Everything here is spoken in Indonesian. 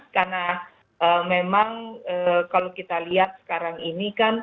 karena memang kalau kita lihat sekarang ini kan